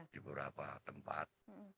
di beberapa tempat